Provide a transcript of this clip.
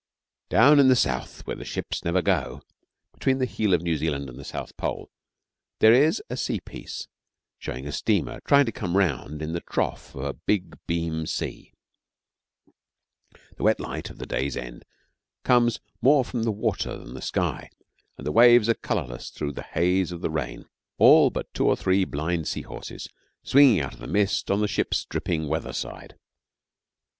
'Down in the South where the ships never go' between the heel of New Zealand and the South Pole, there is a sea piece showing a steamer trying to come round in the trough of a big beam sea. The wet light of the day's end comes more from the water than the sky, and the waves are colourless through the haze of the rain, all but two or three blind sea horses swinging out of the mist on the ship's dripping weather side.